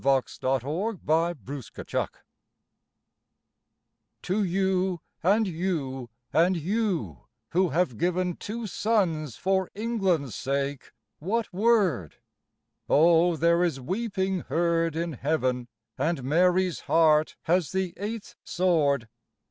SALUTATION 73 SALUTATION To you and you and you who have given Two sons for England's sake, what word ? Oh, there is weeping heard in Heaven And Mary's heart has the Eighth Sword.